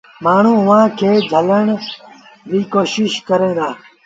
مآڻهوٚݩ اُئآݩ کي جھلن ري ڪوشيٚش ڪريݩ دآ ۔